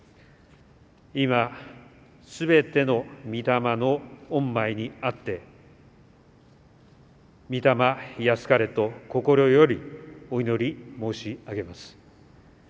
今、すべての御霊の御前にあって御霊安かれと心より、お祈り申し上げます。